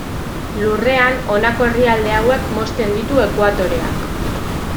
Lurrean honako herrialde hauek mozten ditu Ekuatoreak.